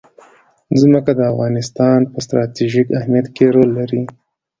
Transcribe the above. ځمکه د افغانستان په ستراتیژیک اهمیت کې رول لري.